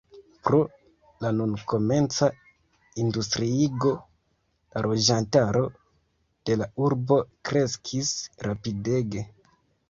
Pro la nun komenca industriigo la loĝantaro de la urbo kreskis rapidege.